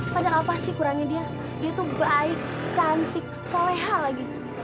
padahal apa sih kurangnya dia dia tuh baik cantik solehal gitu